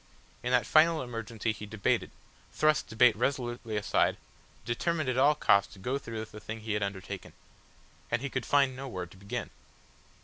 In that final emergency he debated, thrust debate resolutely aside, determined at all costs to go through with the thing he had undertaken. And he could find no word to begin.